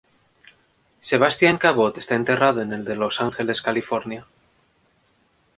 Sebastian Cabot está enterrado en el de Los Ángeles, California.